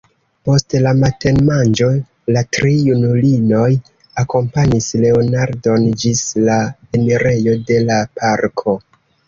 Post la matenmanĝo la tri junulinoj akompanis Leonardon ĝis la enirejo de la parko.